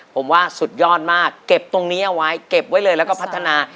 ผมว่าสุดยอดมากเก็บตรงนี้เอาไว้เก็บไว้เลยแล้วก็พัฒนา